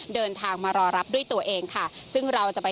ในฐานะกำกับดูแลด้านความมั่นคงมารอรับตัว